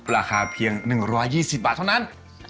ราคาเพียง๑๒๐บาทเท่านั้น